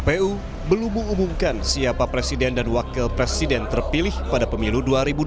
kpu belum mengumumkan siapa presiden dan wakil presiden terpilih pada pemilu dua ribu dua puluh